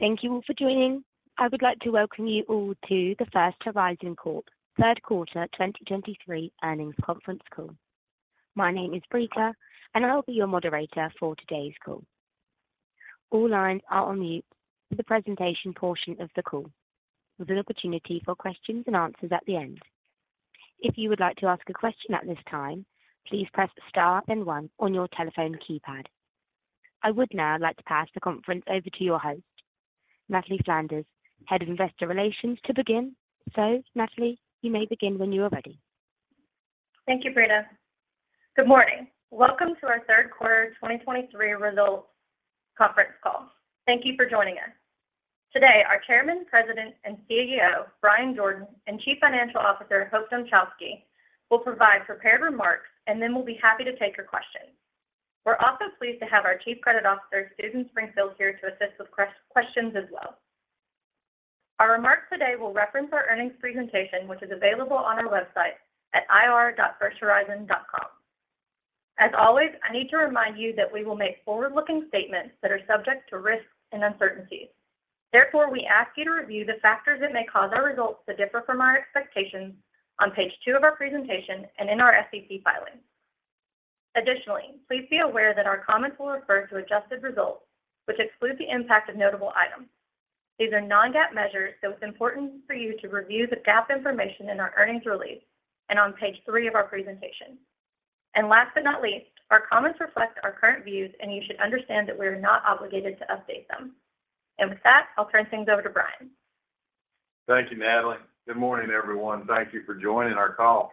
Thank you all for joining. I would like to welcome you all to the First Horizon Corp Third Quarter 2023 earnings conference call. My name is Brita, and I'll be your moderator for today's call. All lines are on mute for the presentation portion of the call, with an opportunity for questions and answers at the end. If you would like to ask a question at this time, please press Star and One on your telephone keypad. I would now like to pass the conference over to your host, Natalie Flanders, Head of Investor Relations, to begin. So Natalie, you may begin when you are ready. Thank you, Brita. Good morning. Welcome to our third quarter 2023 results conference call. Thank you for joining us. Today, our Chairman, President, and CEO, Bryan Jordan, and Chief Financial Officer, Hope Dmuchowski, will provide prepared remarks, and then we'll be happy to take your questions. We're also pleased to have our Chief Credit Officer, Susan Springfield, here to assist with questions as well. Our remarks today will reference our earnings presentation, which is available on our website at ir.firsthorizon.com. As always, I need to remind you that we will make forward-looking statements that are subject to risks and uncertainties. Therefore, we ask you to review the factors that may cause our results to differ from our expectations on page 2 of our presentation and in our SEC filings. Additionally, please be aware that our comments will refer to adjusted results, which exclude the impact of notable items. These are non-GAAP measures, so it's important for you to review the GAAP information in our earnings release and on page 3 of our presentation. Last but not least, our comments reflect our current views, and you should understand that we are not obligated to update them. With that, I'll turn things over to Bryan. Thank you, Natalie. Good morning, everyone. Thank you for joining our call.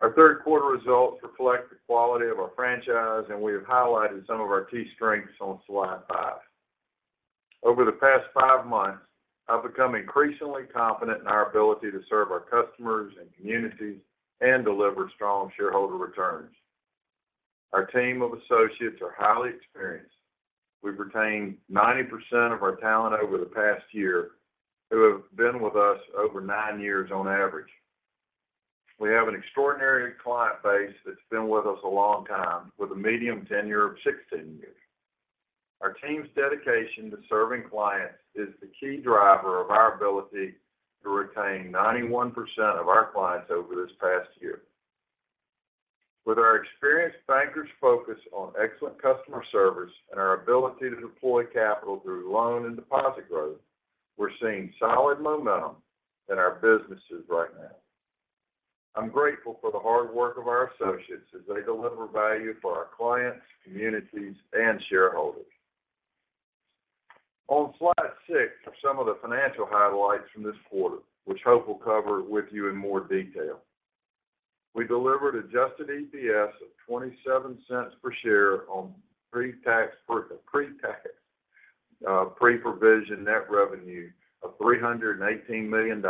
Our third quarter results reflect the quality of our franchise, and we have highlighted some of our key strengths on slide 5. Over the past five months, I've become increasingly confident in our ability to serve our customers and communities and deliver strong shareholder returns. Our team of associates are highly experienced. We've retained 90% of our talent over the past year, who have been with us over nine years on average. We have an extraordinary client base that's been with us a long time, with a median tenure of 16 years. Our team's dedication to serving clients is the key driver of our ability to retain 91% of our clients over this past year. With our experienced bankers focused on excellent customer service and our ability to deploy capital through loan and deposit growth, we're seeing solid momentum in our businesses right now. I'm grateful for the hard work of our associates as they deliver value for our clients, communities, and shareholders. On slide 6 are some of the financial highlights from this quarter, which Hope will cover with you in more detail. We delivered adjusted EPS of $0.27 per share on pre-tax, pre-provision net revenue of $318 million,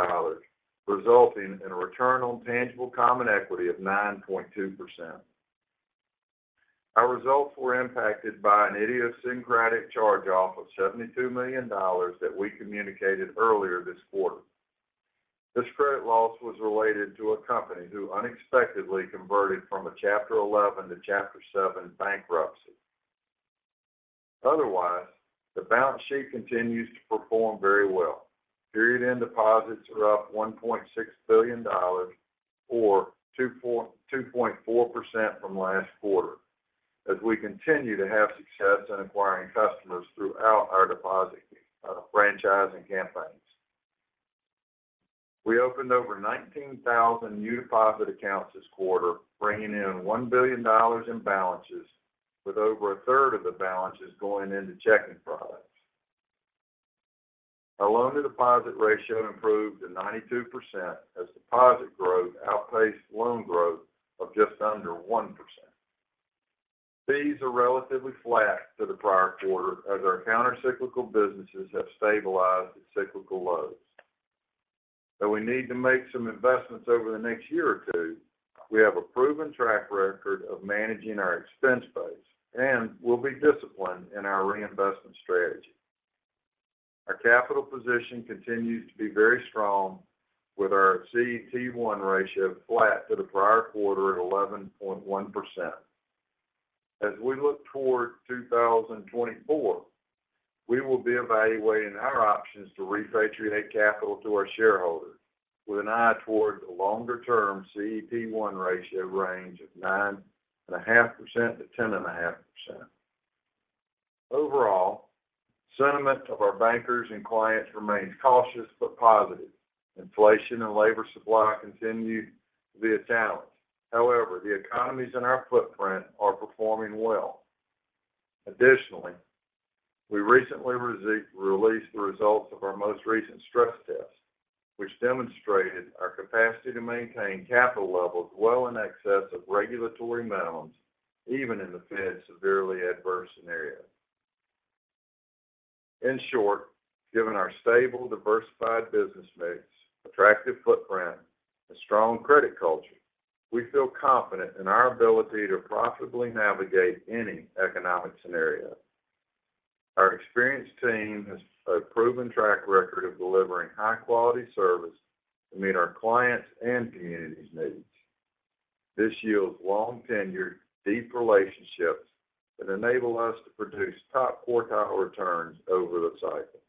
resulting in a return on tangible common equity of 9.2%. Our results were impacted by an idiosyncratic charge-off of $72 million that we communicated earlier this quarter. This credit loss was related to a company who unexpectedly converted from a Chapter 11 to Chapter 7 bankruptcy. Otherwise, the balance sheet continues to perform very well. Period-end deposits are up $1.6 billion, or 2.4% from last quarter, as we continue to have success in acquiring customers throughout our deposit franchise and campaigns. We opened over 19,000 new deposit accounts this quarter, bringing in $1 billion in balances, with over a third of the balances going into checking products. Our loan-to-deposit ratio improved to 92% as deposit growth outpaced loan growth of just under 1%. Fees are relatively flat to the prior quarter as our countercyclical businesses have stabilized at cyclical lows. Though we need to make some investments over the next year or two, we have a proven track record of managing our expense base, and we'll be disciplined in our reinvestment strategy. Our capital position continues to be very strong, with our CET1 ratio flat to the prior quarter at 11.1%. As we look toward 2024, we will be evaluating our options to repatriate capital to our shareholders with an eye toward the longer-term CET1 ratio range of 9.5%-10.5%. Overall, sentiment of our bankers and clients remains cautious but positive. Inflation and labor supply continue to be a challenge. However, the economies in our footprint are performing well. Additionally, we recently released the results of our most recent stress test, which demonstrated our capacity to maintain capital levels well in excess of regulatory minimums, even in the Fed's severely adverse scenario. In short, given our stable, diversified business mix, attractive footprint, and strong credit culture, we feel confident in our ability to profitably navigate any economic scenario. Our experienced team has a proven track record of delivering high-quality service to meet our clients' and communities' needs.... This yields long tenure, deep relationships that enable us to produce top quartile returns over the cycle.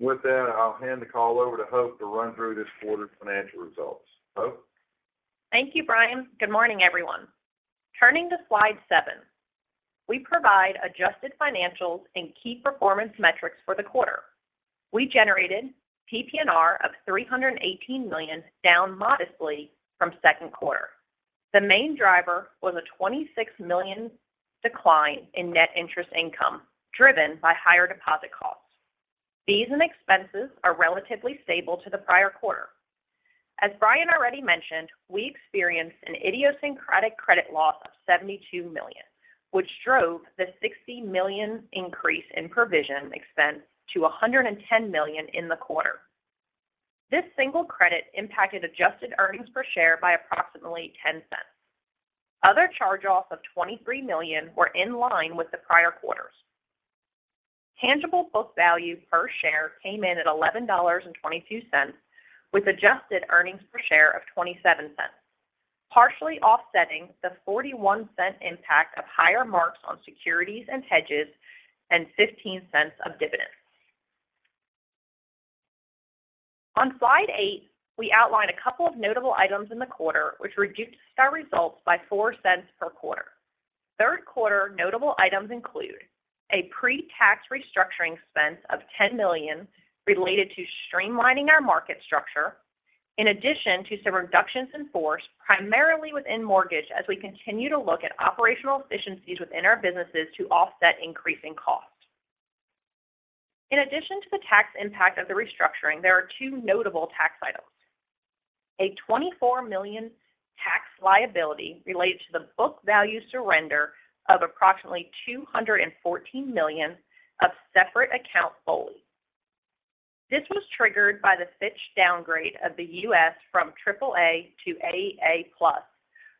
With that, I'll hand the call over to Hope to run through this quarter's financial results. Hope? Thank you, Bryan. Good morning, everyone. Turning to slide 7, we provide adjusted financials and key performance metrics for the quarter. We generated PPNR of $318 million, down modestly from second quarter. The main driver was a $26 million decline in net interest income, driven by higher deposit costs. Fees and expenses are relatively stable to the prior quarter. As Bryan already mentioned, we experienced an idiosyncratic credit loss of $72 million, which drove the $60 million increase in provision expense to $110 million in the quarter. This single credit impacted adjusted earnings per share by approximately $0.10. Other charge-offs of $23 million were in line with the prior quarters. Tangible book value per share came in at $11.22, with adjusted earnings per share of $0.27, partially offsetting the $0.41 impact of higher marks on securities and hedges and $0.15 of dividends. On slide eight, we outline a couple of notable items in the quarter, which reduced our results by $0.04 per quarter. Third quarter notable items include a pre-tax restructuring expense of $10 million related to streamlining our market structure, in addition to some reductions in force, primarily within mortgage, as we continue to look at operational efficiencies within our businesses to offset increasing costs. In addition to the tax impact of the restructuring, there are two notable tax items. A $24 million tax liability related to the book value surrender of approximately $214 million of separate account policy. This was triggered by the Fitch downgrade of the U.S. from AAA to AA+,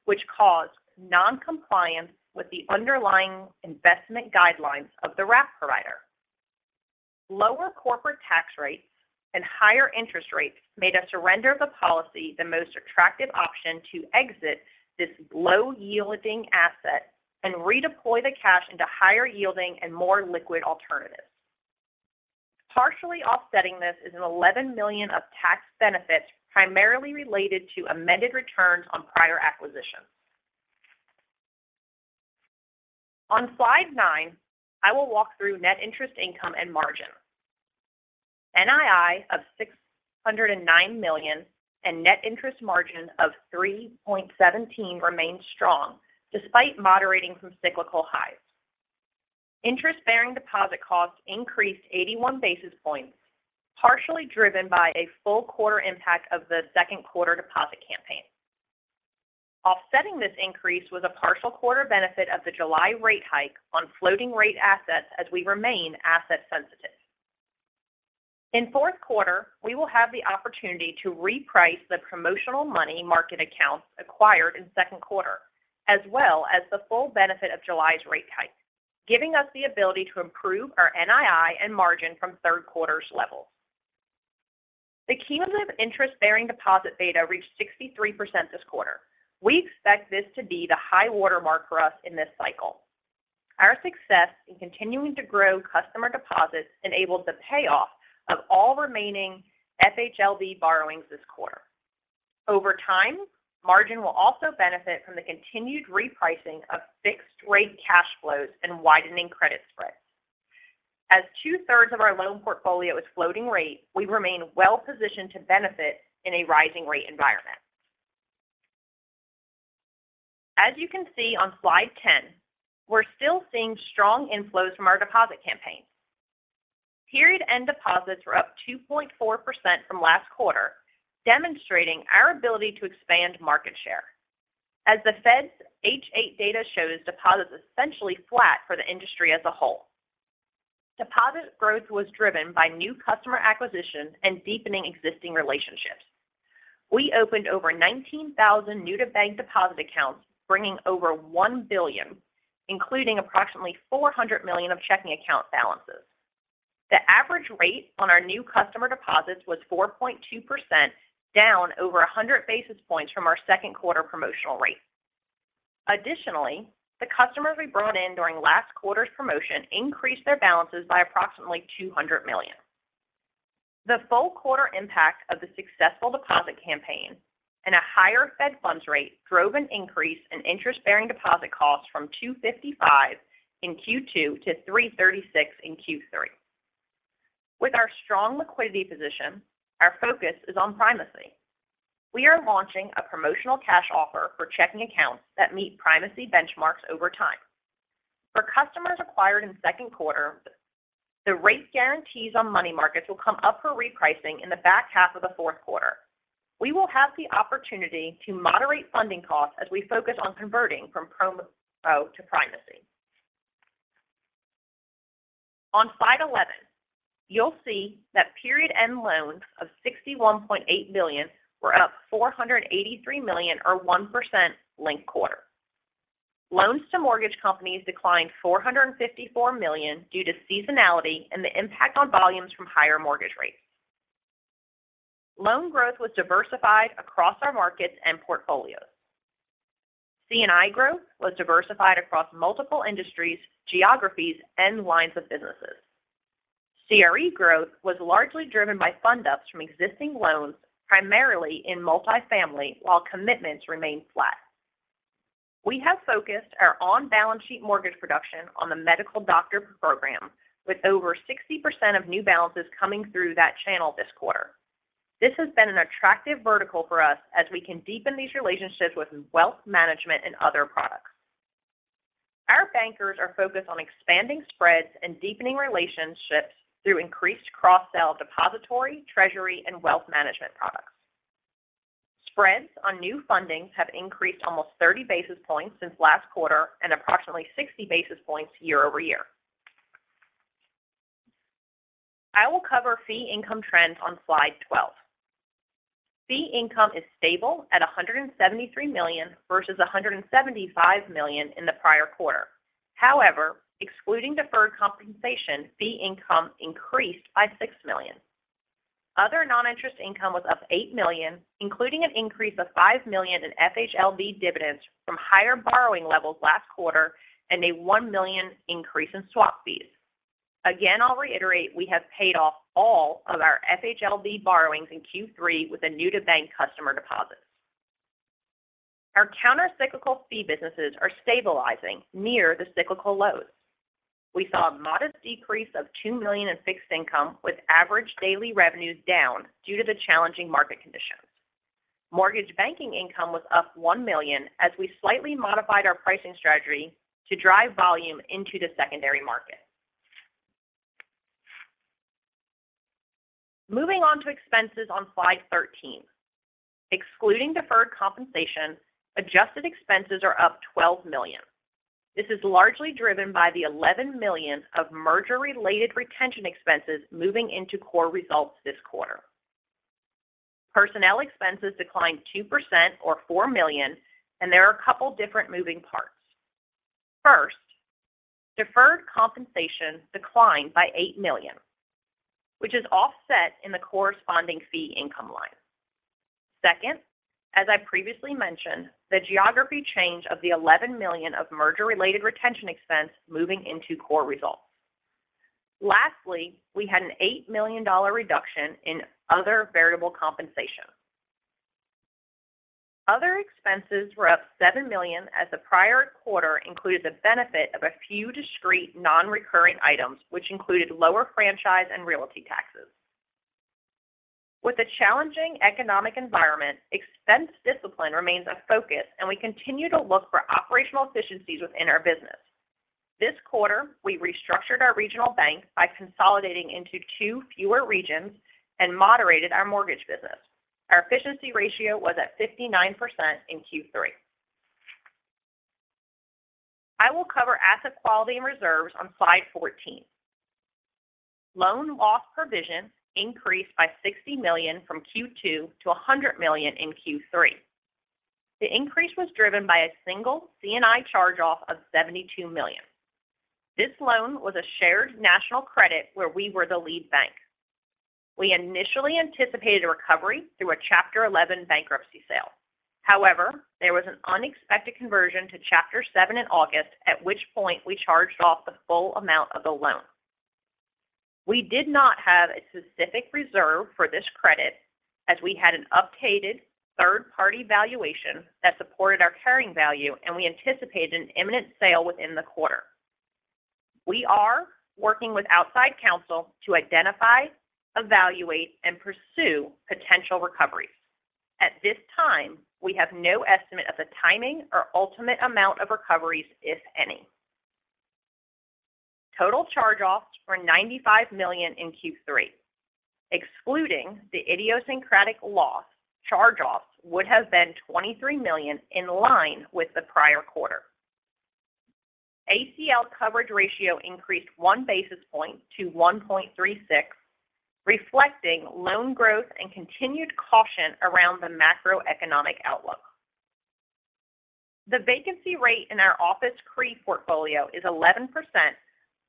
which caused noncompliance with the underlying investment guidelines of the wrap provider. Lower corporate tax rates and higher interest rates made us surrender the policy the most attractive option to exit this low-yielding asset and redeploy the cash into higher yielding and more liquid alternatives. Partially offsetting this is $11 million of tax benefit, primarily related to amended returns on prior acquisitions. On slide 9, I will walk through net interest income and margin. NII of $609 million and net interest margin of 3.17% remains strong despite moderating from cyclical highs. Interest bearing deposit costs increased 81 basis points, partially driven by a full quarter impact of the second quarter deposit campaign. Offsetting this increase was a partial quarter benefit of the July rate hike on floating rate assets as we remain asset sensitive. In fourth quarter, we will have the opportunity to reprice the promotional money market accounts acquired in second quarter, as well as the full benefit of July's rate hike, giving us the ability to improve our NII and margin from third quarter's level. The cumulative interest bearing deposit beta reached 63% this quarter. We expect this to be the high watermark for us in this cycle. Our success in continuing to grow customer deposits enabled the payoff of all remaining FHLB borrowings this quarter. Over time, margin will also benefit from the continued repricing of fixed rate cash flows and widening credit spreads. As two-thirds of our loan portfolio is floating rate, we remain well positioned to benefit in a rising rate environment. As you can see on slide ten, we're still seeing strong inflows from our deposit campaign. Period end deposits were up 2.4% from last quarter, demonstrating our ability to expand market share. As the Fed's H8 data shows, deposit is essentially flat for the industry as a whole. Deposit growth was driven by new customer acquisition and deepening existing relationships. We opened over 19,000 new-to-bank deposit accounts, bringing over $1 billion, including approximately $400 million of checking account balances. The average rate on our new customer deposits was 4.2%, down over 100 basis points from our second quarter promotional rate. Additionally, the customers we brought in during last quarter's promotion increased their balances by approximately $200 million. The full quarter impact of the successful deposit campaign and a higher Fed Funds Rate drove an increase in interest bearing deposit costs from 2.55 in Q2 to 3.36 in Q3. With our strong liquidity position, our focus is on primacy. We are launching a promotional cash offer for checking accounts that meet primacy benchmarks over time. For customers acquired in second quarter, the rate guarantees on money markets will come up for repricing in the back half of the fourth quarter. We will have the opportunity to moderate funding costs as we focus on converting from promo to primacy. On slide 11, you'll see that period-end loans of $61.8 billion were up $483 million or 1% linked quarter.... Loans to mortgage companies declined $454 million due to seasonality and the impact on volumes from higher mortgage rates. Loan growth was diversified across our markets and portfolios. C&I growth was diversified across multiple industries, geographies, and lines of businesses. CRE growth was largely driven by fund ups from existing loans, primarily in multifamily, while commitments remained flat. We have focused our on-balance sheet mortgage production on the medical doctor program, with over 60% of new balances coming through that channel this quarter. This has been an attractive vertical for us as we can deepen these relationships with wealth management and other products. Our bankers are focused on expanding spreads and deepening relationships through increased cross-sell of depository, treasury, and wealth management products. Spreads on new fundings have increased almost 30 basis points since last quarter and approximately 60 basis points year-over-year. I will cover fee income trends on slide 12. Fee income is stable at $173 million versus $175 million in the prior quarter. However, excluding deferred compensation, fee income increased by $6 million. Other non-interest income was up $8 million, including an increase of $5 million in FHLB dividends from higher borrowing levels last quarter and a $1 million increase in swap fees. Again, I'll reiterate, we have paid off all of our FHLB borrowings in Q3 with the new-to-bank customer deposits. Our countercyclical fee businesses are stabilizing near the cyclical lows. We saw a modest decrease of $2 million in fixed income, with average daily revenues down due to the challenging market conditions. Mortgage banking income was up $1 million, as we slightly modified our pricing strategy to drive volume into the secondary market. Moving on to expenses on slide 13. Excluding deferred compensation, adjusted expenses are up $12 million. This is largely driven by the $11 million of merger-related retention expenses moving into core results this quarter. Personnel expenses declined 2% or $4 million, and there are a couple of different moving parts. First, deferred compensation declined by $8 million, which is offset in the corresponding fee income line. Second, as I previously mentioned, the geography change of the $11 million of merger-related retention expense moving into core results. Lastly, we had an $8 million reduction in other variable compensation. Other expenses were up $7 million, as the prior quarter included the benefit of a few discrete, non-recurring items, which included lower franchise and realty taxes. With a challenging economic environment, expense discipline remains a focus, and we continue to look for operational efficiencies within our business. This quarter, we restructured our regional bank by consolidating into two fewer regions and moderated our mortgage business. Our efficiency ratio was at 59% in Q3. I will cover asset quality and reserves on slide 14. Loan loss provision increased by $60 million from Q2 to $100 million in Q3. The increase was driven by a single C&I charge-off of $72 million. This loan was a shared national credit where we were the lead bank. We initially anticipated a recovery through a Chapter 11 bankruptcy sale. However, there was an unexpected conversion to Chapter 7 in August, at which point we charged off the full amount of the loan. We did not have a specific reserve for this credit as we had an updated third-party valuation that supported our carrying value, and we anticipated an imminent sale within the quarter. We are working with outside counsel to identify, evaluate, and pursue potential recoveries. At this time, we have no estimate of the timing or ultimate amount of recoveries, if any. Total charge-offs were $95 million in Q3. Excluding the idiosyncratic loss, charge-offs would have been $23 million in line with the prior quarter. ACL coverage ratio increased 1 basis point to 1.36, reflecting loan growth and continued caution around the macroeconomic outlook. The vacancy rate in our office CRE portfolio is 11%,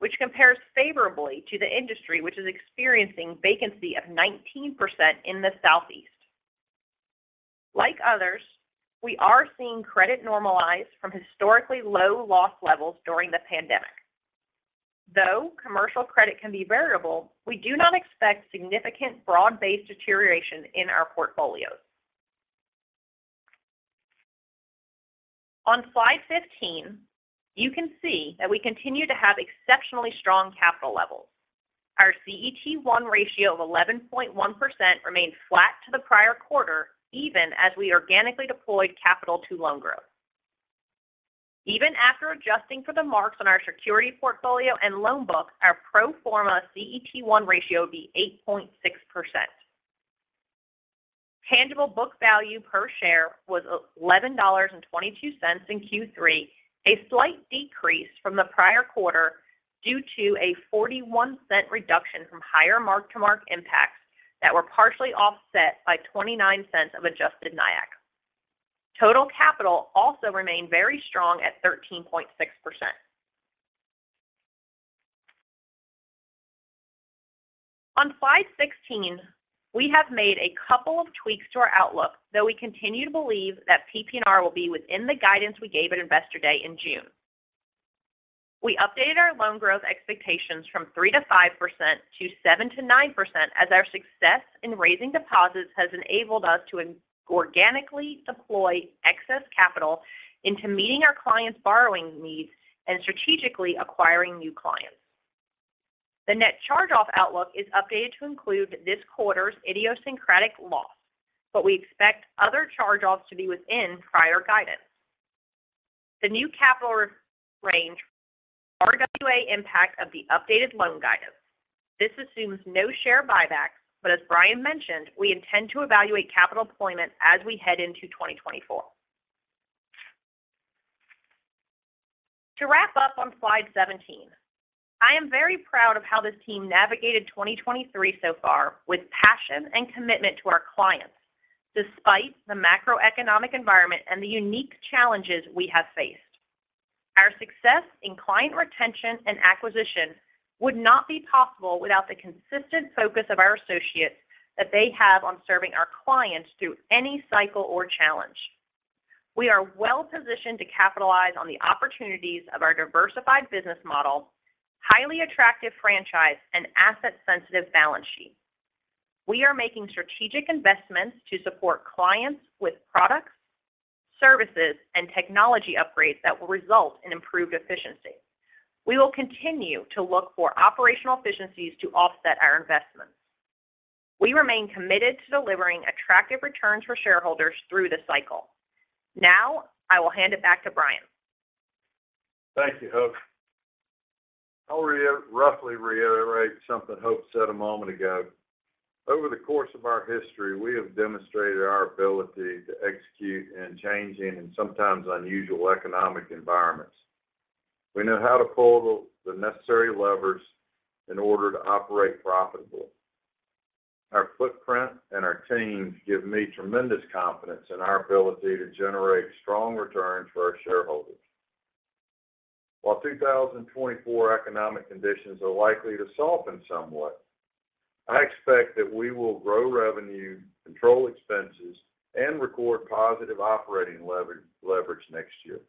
which compares favorably to the industry, which is experiencing vacancy of 19% in the Southeast. Like others, we are seeing credit normalize from historically low loss levels during the pandemic. Though commercial credit can be variable, we do not expect significant broad-based deterioration in our portfolios. On slide 15, you can see that we continue to have exceptionally strong capital levels. Our CET1 ratio of 11.1% remains flat to the prior quarter, even as we organically deployed capital to loan growth. Even after adjusting for the marks on our security portfolio and loan book, our pro forma CET1 ratio would be 8.6%. Tangible book value per share was $11.22 in Q3, a slight decrease from the prior quarter due to a $0.41 reduction from higher mark-to-market impacts that were partially offset by $0.29 of adjusted NIAC. Total capital also remained very strong at 13.6%. On slide 16, we have made a couple of tweaks to our outlook, though we continue to believe that PPNR will be within the guidance we gave at Investor Day in June. We updated our loan growth expectations from 3%-5% to 7%-9%, as our success in raising deposits has enabled us to inorganically deploy excess capital into meeting our clients' borrowing needs and strategically acquiring new clients. The net charge-off outlook is updated to include this quarter's idiosyncratic loss, but we expect other charge-offs to be within prior guidance. The new capital range, RWA impact of the updated loan guidance. This assumes no share buyback, but as Bryan mentioned, we intend to evaluate capital deployment as we head into 2024. To wrap up on slide 17, I am very proud of how this team navigated 2023 so far with passion and commitment to our clients, despite the macroeconomic environment and the unique challenges we have faced. Our success in client retention and acquisition would not be possible without the consistent focus of our associates that they have on serving our clients through any cycle or challenge. We are well-positioned to capitalize on the opportunities of our diversified business model, highly attractive franchise, and asset-sensitive balance sheet. We are making strategic investments to support clients with products, services, and technology upgrades that will result in improved efficiency. We will continue to look for operational efficiencies to offset our investments. We remain committed to delivering attractive returns for shareholders through this cycle. Now, I will hand it back to Bryan. Thank you, Hope. I'll roughly reiterate something Hope said a moment ago. Over the course of our history, we have demonstrated our ability to execute in changing and sometimes unusual economic environments. We know how to pull the necessary levers in order to operate profitably. Our footprint and our teams give me tremendous confidence in our ability to generate strong returns for our shareholders. While 2024 economic conditions are likely to soften somewhat, I expect that we will grow revenue, control expenses, and record positive operating leverage next year.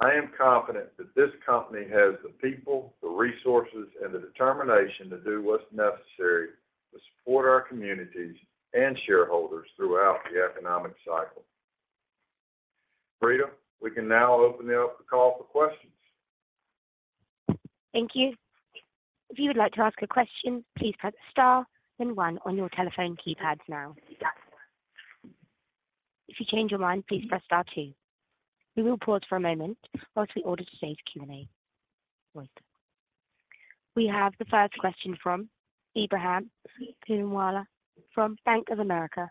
I am confident that this company has the people, the resources, and the determination to do what's necessary to support our communities and shareholders throughout the economic cycle. Brita, we can now open it up for the call for questions. Thank you. If you would like to ask a question, please press star, then one on your telephone keypads now. If you change your mind, please press star two. We will pause for a moment while we order today's Q&A. Right. We have the first question from Ebrahim Poonawala from Bank of America.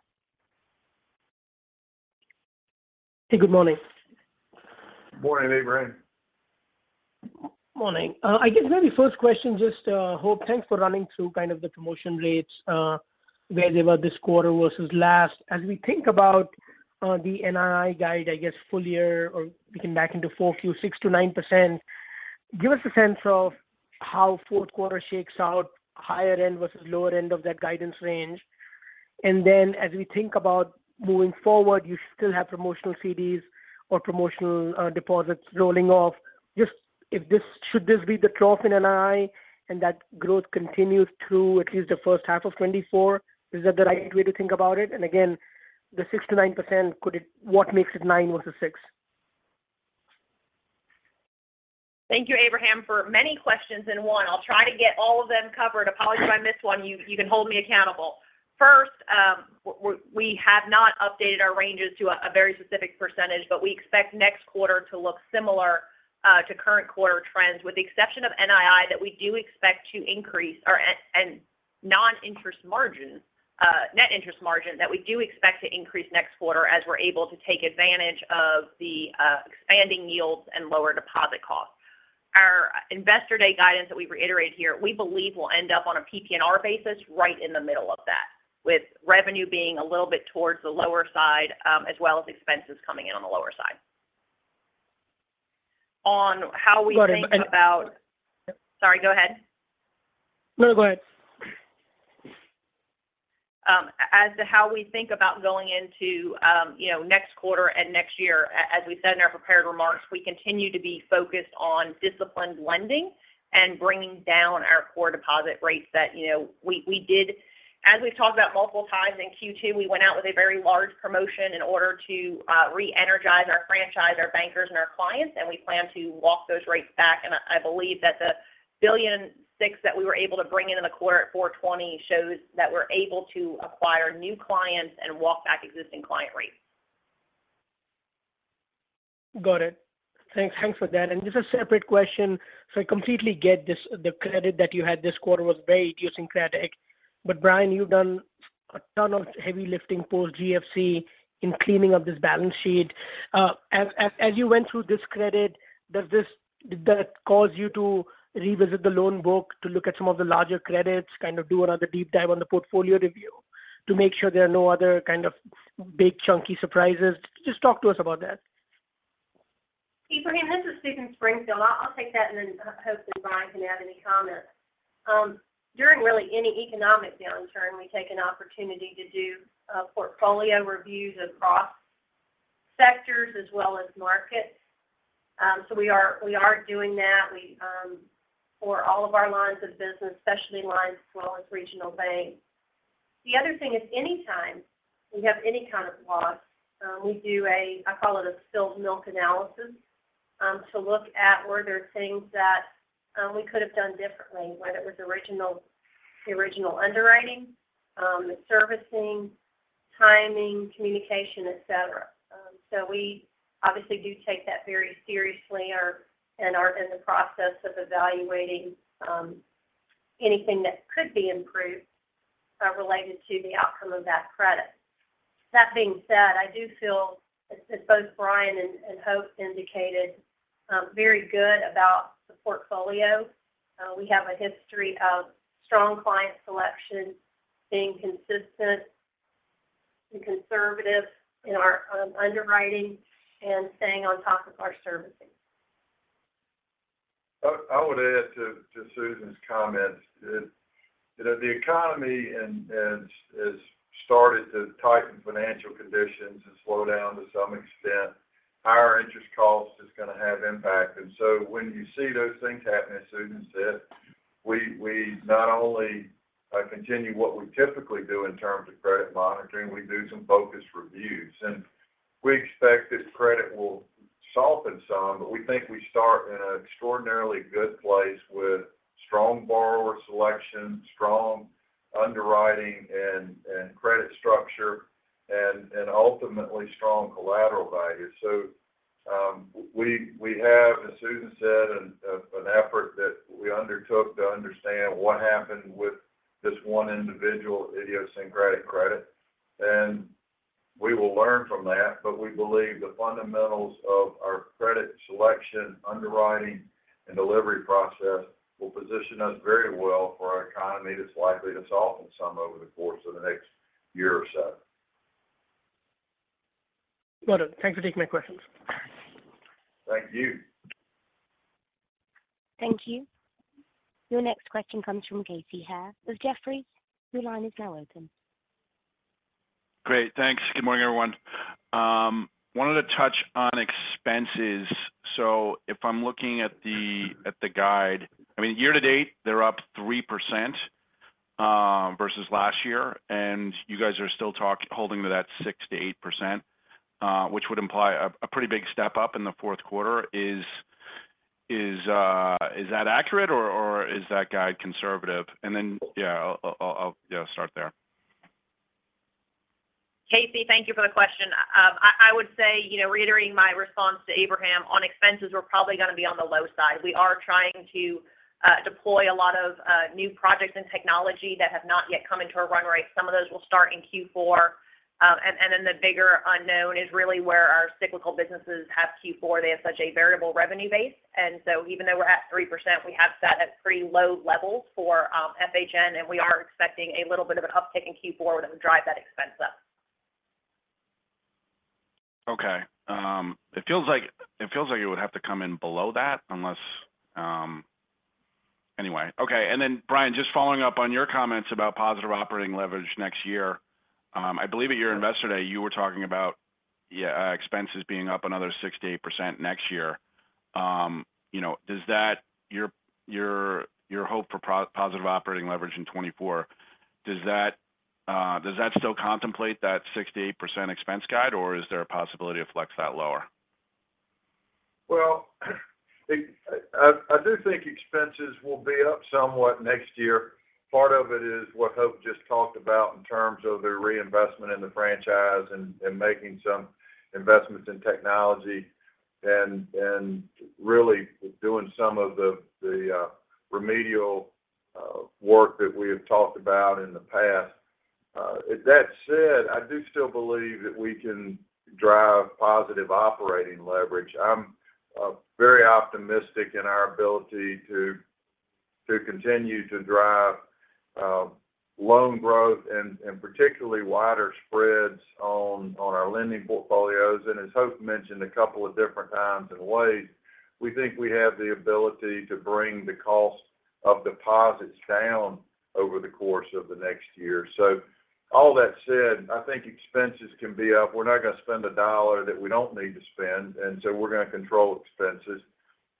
Hey, good morning. Morning, Abraham. Morning. I guess maybe first question, just, Hope, thanks for running through kind of the promotion rates, where they were this quarter versus last. As we think about the NII guide, I guess, full year, or we can back into 4Q, 6%-9%, give us a sense of how fourth quarter shakes out, higher end versus lower end of that guidance range. And then as we think about moving forward, you still have promotional CDs or promotional, deposits rolling off. Just if this, should this be the trough in NII, and that growth continues through at least the first half of 2024? Is that the right way to think about it? And again, the 6%-9%, could it... What makes it 9% versus 6%? Thank you, Ebrahim, for many questions in one. I'll try to get all of them covered. Apologize if I miss one, you can hold me accountable. First, we have not updated our ranges to a very specific percentage, but we expect next quarter to look similar to current quarter trends, with the exception of NII, that we do expect to increase and net interest margin, that we do expect to increase next quarter as we're able to take advantage of the expanding yields and lower deposit costs. Our Investor Day guidance that we reiterated here, we believe will end up on a PPNR basis right in the middle of that, with revenue being a little bit towards the lower side, as well as expenses coming in on the lower side. On how we think about- Got it. Sorry, go ahead. No, go ahead. As to how we think about going into, you know, next quarter and next year, as we said in our prepared remarks, we continue to be focused on disciplined lending and bringing down our core deposit rates that, you know, we did. As we've talked about multiple times in Q2, we went out with a very large promotion in order to re-energize our franchise, our bankers, and our clients, and we plan to walk those rates back. I believe that the $1.6 billion that we were able to bring in in the quarter at 4.20 shows that we're able to acquire new clients and walk back existing client rates. Got it. Thanks. Thanks for that. Just a separate question: so I completely get this, the credit that you had this quarter was very idiosyncratic, but Bryan, you've done a ton of heavy lifting post GFC in cleaning up this balance sheet. As you went through this credit, does this did that cause you to revisit the loan book to look at some of the larger credits, kind of do another deep dive on the portfolio review to make sure there are no other kind of big, chunky surprises? Just talk to us about that. Ebrahim, this is Susan Springfield. I'll take that and then, Hope and Bryan can add any comments. During really any economic downturn, we take an opportunity to do portfolio reviews across sectors as well as markets. So we are doing that. We for all of our lines of business, specialty lines as well as regional bank. The other thing is, anytime we have any kind of loss, we do a, I call it a spilled milk analysis, to look at where there are things that we could have done differently, whether it was the original underwriting, the servicing, timing, communication, et cetera. So we obviously do take that very seriously and are in the process of evaluating anything that could be improved related to the outcome of that credit. That being said, I do feel, as both Bryan and Hope indicated, very good about the portfolio. We have a history of strong client selection, being consistent and conservative in our underwriting and staying on top of our servicing. I would add to Susan's comments that, you know, the economy has started to tighten financial conditions and slow down to some extent. Higher interest cost is going to have impact. And so when you see those things happening, as Susan said, we not only continue what we typically do in terms of credit monitoring, we do some focused reviews. And we expect that credit will soften some, but we think we start in an extraordinarily good place with strong borrower selection, strong underwriting and credit structure, and ultimately strong collateral value. So, we have, as Susan said, an effort that we undertook to understand what happened with this one individual idiosyncratic credit, and we will learn from that. But we believe the fundamentals of our credit selection, underwriting, and delivery process will position us very well for our economy that's likely to soften some over the course of the next year or so. Well done. Thanks for taking my questions. Thank you. Thank you. Your next question comes from Casey Haire of Jefferies. Your line is now open. Great, thanks. Good morning, everyone. Wanted to touch on expenses. So if I'm looking at the guide, I mean, year to date, they're up 3%, versus last year, and you guys are still holding to that 6%-8%, which would imply a pretty big step up in the fourth quarter. Is that accurate, or is that guide conservative? And then, I'll start there. Casey, thank you for the question. I would say, you know, reiterating my response to Abraham on expenses, we're probably going to be on the low side. We are trying to deploy a lot of new projects and technology that have not yet come into a run rate. Some of those will start in Q4. And then the bigger unknown is really where our cyclical businesses have Q4. They have such a variable revenue base, and so even though we're at 3%, we have sat at pretty low levels for FHN, and we are expecting a little bit of an uptick in Q4 to drive that expense up. Okay. It feels like it would have to come in below that unless... Anyway. Okay, and then, Bryan, just following up on your comments about positive operating leverage next year. I believe at your Investor Day, you were talking about, yeah, expenses being up another 6%-8% next year. You know, does that-- your hope for positive operating leverage in 2024, does that still contemplate that 6%-8% expense guide, or is there a possibility to flex that lower? Well, I do think expenses will be up somewhat next year. Part of it is what Hope just talked about in terms of the reinvestment in the franchise and making some investments in technology and really doing some of the remedial work that we have talked about in the past. That said, I do still believe that we can drive positive operating leverage. I'm very optimistic in our ability to continue to drive loan growth and particularly wider spreads on our lending portfolios. And as Hope mentioned a couple of different times in ways, we think we have the ability to bring the cost of deposits down over the course of the next year. So all that said, I think expenses can be up. We're not going to spend a dollar that we don't need to spend, and so we're going to control expenses.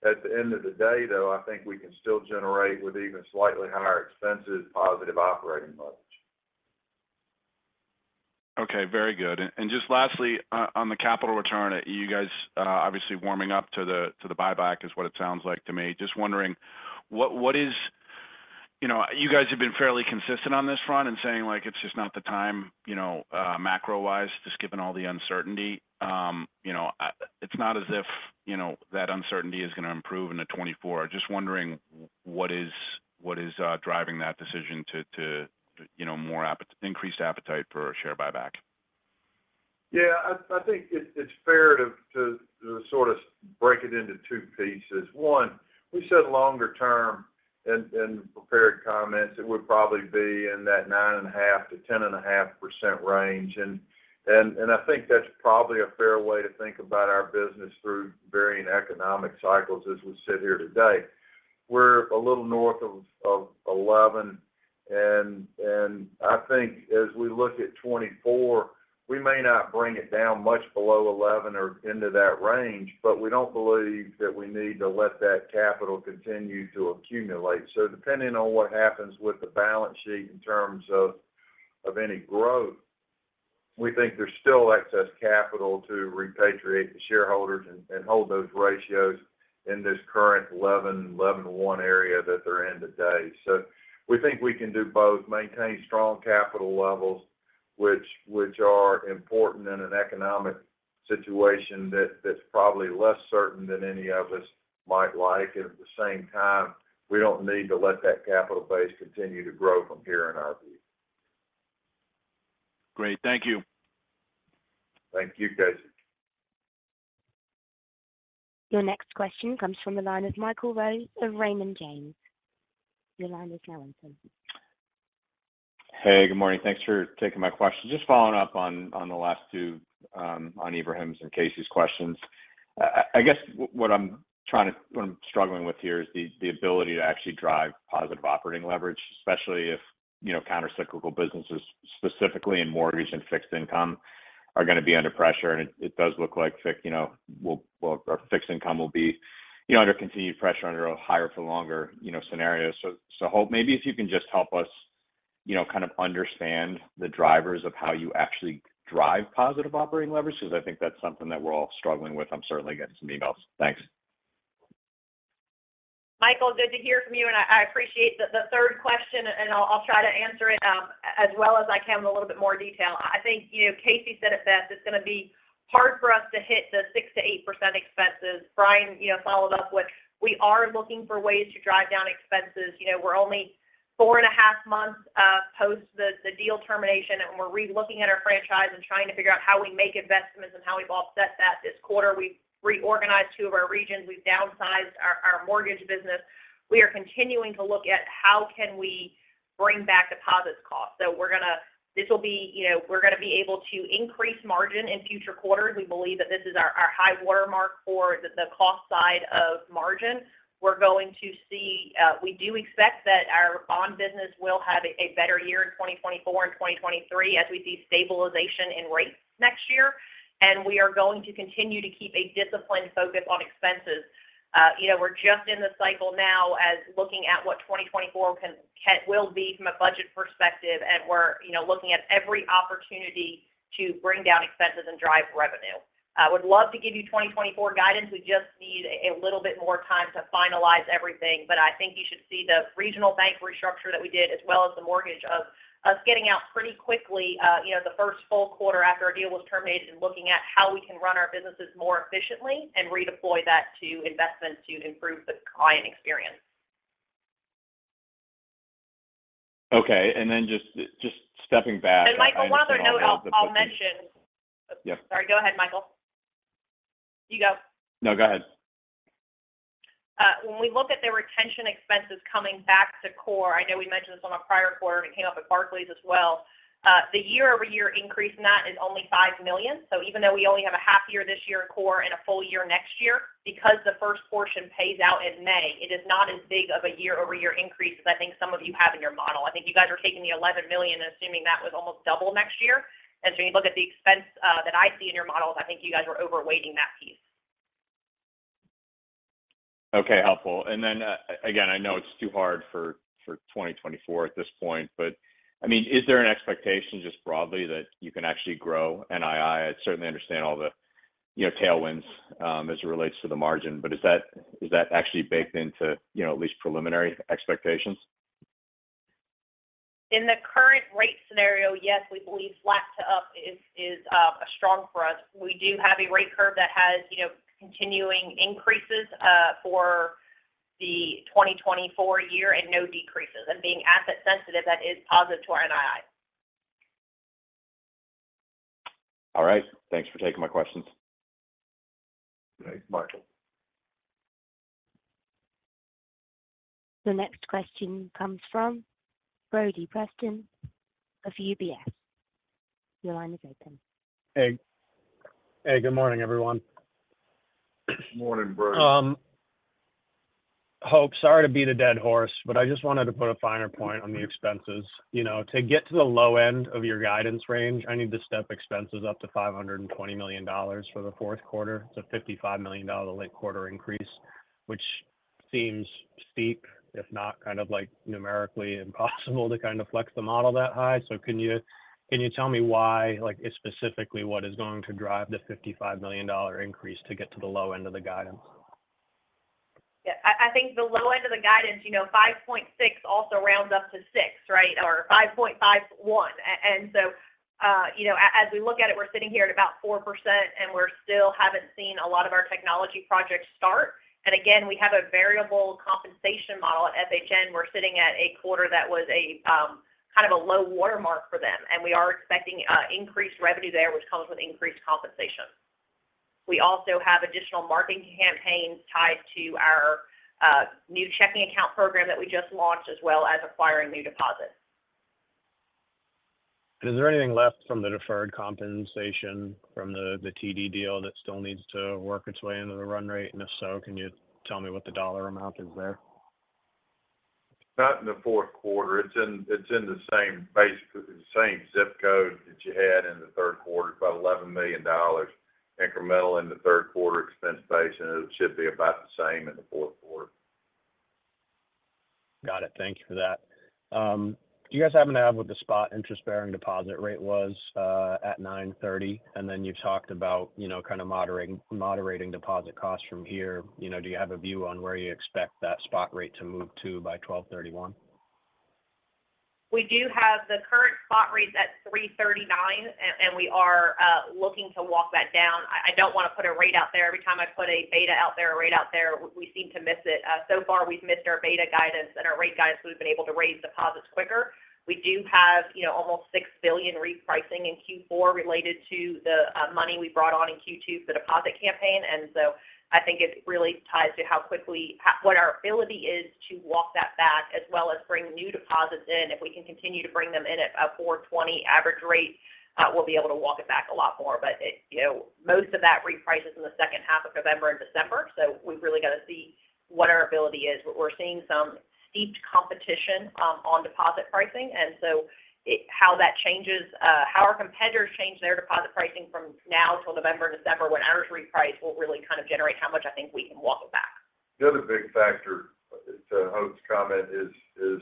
At the end of the day, though, I think we can still generate with even slightly higher expenses, positive operating leverage. Okay, very good. And just lastly, on the capital return, you guys obviously warming up to the buyback is what it sounds like to me. Just wondering, what is... You know, you guys have been fairly consistent on this front and saying, like, it's just not the time, you know, macro-wise, just given all the uncertainty. You know, it's not as if, you know, that uncertainty is going to improve into 2024. Just wondering, what is driving that decision to, you know, increased appetite for a share buyback? Yeah, I think it's fair to sort of break it into two pieces. One, we said longer term and prepared comments, it would probably be in that 9.5%-10.5% range. And I think that's probably a fair way to think about our business through varying economic cycles as we sit here today. We're a little north of 11%, and I think as we look at 2024, we may not bring it down much below 11% or into that range, but we don't believe that we need to let that capital continue to accumulate. So depending on what happens with the balance sheet in terms of, of any growth, we think there's still excess capital to repatriate the shareholders and, and hold those ratios in this current 11, 11.1 area that they're in today. So we think we can do both, maintain strong capital levels, which, which are important in an economic situation that, that's probably less certain than any of us might like. And at the same time, we don't need to let that capital base continue to grow from here, in our view. Great. Thank you. Thank you, Casey. Your next question comes from the line of Michael Rose of Raymond James. Your line is now open. Hey, good morning. Thanks for taking my question. Just following up on the last two, on Ebrahim's and Casey's questions. I guess what I'm trying to—what I'm struggling with here is the ability to actually drive positive operating leverage, especially if, you know, countercyclical businesses, specifically in mortgage and fixed income, are going to be under pressure. And it does look like fixed income will be under continued pressure under a higher for longer, you know, scenario. So, Hope, maybe if you can just help us, you know, kind of understand the drivers of how you actually drive positive operating leverage, because I think that's something that we're all struggling with. I'm certainly getting some emails. Thanks. Michael, good to hear from you, and I appreciate the third question, and I'll try to answer it as well as I can with a little bit more detail. I think, you know, Casey said it best. It's going to be hard for us to hit the 6%-8% expenses. Bryan, you know, followed up with, we are looking for ways to drive down expenses. You know, we're only 4.5 months post the deal termination, and we're relooking at our franchise and trying to figure out how we make investments and how we've offset that this quarter. We've reorganized 2 of our regions. We've downsized our mortgage business. We are continuing to look at how can we bring back deposits cost. So this will be, you know, we're going to be able to increase margin in future quarters. We believe that this is our high watermark for the cost side of margin. We're going to see we do expect that our bond business will have a better year in 2024 and 2023 as we see stabilization in rates next year, and we are going to continue to keep a disciplined focus on expenses. You know, we're just in the cycle now as looking at what 2024 will be from a budget perspective, and we're, you know, looking at every opportunity to bring down expenses and drive revenue. I would love to give you 2024 guidance. We just need a little bit more time to finalize everything. I think you should see the regional bank restructure that we did, as well as the mortgage of us getting out pretty quickly, you know, the first full quarter after our deal was terminated, and looking at how we can run our businesses more efficiently and redeploy that to investments to improve the client experience. Okay. And then just, just stepping back- Michael, one other note I'll mention. Yep. Sorry. Go ahead, Michael. You go. No, go ahead. When we look at the retention expenses coming back to core, I know we mentioned this on a prior quarter, and it came up at Barclays as well. The year-over-year increase in that is only $5 million. So even though we only have a half year this year in core and a full year next year, because the first portion pays out in May, it is not as big of a year-over-year increase as I think some of you have in your model. I think you guys are taking the $11 million and assuming that was almost double next year. As you look at the expense, that I see in your models, I think you guys are overweighting that piece. Okay, helpful. And then, again, I know it's too hard for 2024 at this point, but, I mean, is there an expectation just broadly that you can actually grow NII? I certainly understand all the, you know, tailwinds, as it relates to the margin, but is that, is that actually baked into, you know, at least preliminary expectations? In the current rate scenario, yes, we believe flat to up is strong for us. We do have a rate curve that has, you know, continuing increases for the 2024 year and no decreases. And being asset sensitive, that is positive to our NII. All right. Thanks for taking my questions. Great. Michael. The next question comes from Brody Preston of UBS. Your line is open. Hey. Hey, good morning, everyone. Morning, Brody. Hope, sorry to beat a dead horse, but I just wanted to put a finer point on the expenses. You know, to get to the low end of your guidance range, I need to step expenses up to $520 million for the fourth quarter. It's a $55 million late quarter increase, which seems steep, if not kind of like numerically impossible to kind of flex the model that high. So can you, can you tell me why, like, specifically, what is going to drive the $55 million increase to get to the low end of the guidance? Yeah, I think the low end of the guidance, you know, 5.6 also rounds up to 6, right? Or 5.51. And so, you know, as we look at it, we're sitting here at about 4%, and we're still haven't seen a lot of our technology projects start. And again, we have a variable compensation model at FHN. We're sitting at a quarter that was a kind of a low watermark for them, and we are expecting increased revenue there, which comes with increased compensation. We also have additional marketing campaigns tied to our new checking account program that we just launched, as well as acquiring new deposits. Is there anything left from the deferred compensation from the, the TD deal that still needs to work its way into the run rate? And if so, can you tell me what the dollar amount is there? Not in the fourth quarter. It's in the same basic, the same zip code that you had in the third quarter, about $11 million incremental in the third quarter expense base, and it should be about the same in the fourth quarter. Got it. Thank you for that. Do you guys happen to have what the spot interest-bearing deposit rate was at 9:30? And then you talked about, you know, kind of moderating deposit costs from here. You know, do you have a view on where you expect that spot rate to move to by 12/31? We do have the current spot rate's at 3.39, and we are looking to walk that down. I don't want to put a rate out there. Every time I put a beta out there, a rate out there, we seem to miss it. So far, we've missed our beta guidance and our rate guidance, so we've been able to raise deposits quicker. We do have, you know, almost $6 billion repricing in Q4 related to the money we brought on in Q2, the deposit campaign. And so I think it really ties to how quickly what our ability is to walk that back, as well as bring new deposits in. If we can continue to bring them in at a 4.20 average rate, we'll be able to walk it back a lot more. But it, you know, most of that reprices in the second half of November and December, so we've really got to see what our ability is. But we're seeing some stiff competition on deposit pricing, and so it... how that changes, how our competitors change their deposit pricing from now till November and December, when ours reprice, will really kind of generate how much I think we can walk it back. The other big factor to Hope's comment is the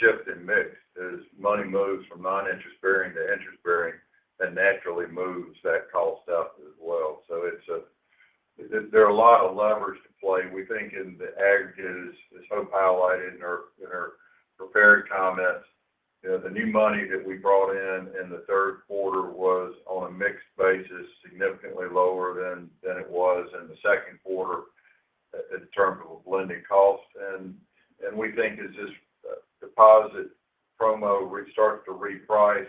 shift in mix. As money moves from non-interest bearing to interest bearing, that naturally moves that cost out as well. So it's there are a lot of levers to play. We think in the aggregate, as Hope highlighted in her prepared comments, the new money that we brought in in the third quarter was, on a mixed basis, significantly lower than it was in the second quarter in terms of blending costs. And we think as this deposit promo starts to reprice,